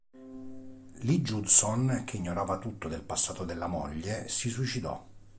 Lee Judson, che ignorava tutto del passato della moglie, si suicidò.